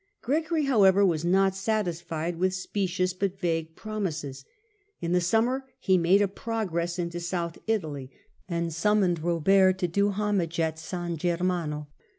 Gregory, however, was not satisfied ^th specious but vague promises. In the sunmier he made a progress into South Italy, and summoned Robert to do homage at St. Germane.